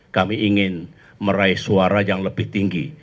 kami ingin meraih suara yang lebih tinggi